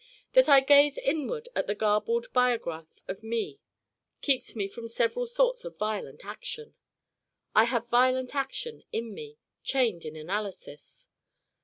That I gaze inward at the garbled biograph of Me keeps me from several sorts of violent action. I have violent action in me, chained in analysis.